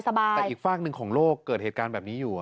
แต่อีกฝากหนึ่งของโลกเกิดเหตุการณ์แบบนี้อยู่